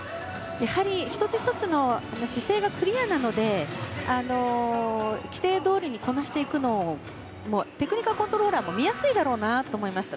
やはり、１つ１つの姿勢がクリアなので規定どおりにこなしていくのをテクニカルコントローラーも見やすいだろうなと思いました。